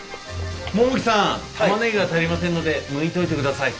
桃木さんタマネギが足りませんのでむいておいてください。